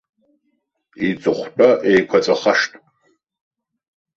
Иҵыхәтәа еиқәаҵәахашт.